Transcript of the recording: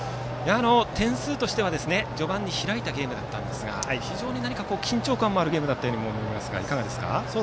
点数としては序盤に開いたゲームだったんですが非常に緊張感もあるゲームだったと思うんですがいかがでしたか？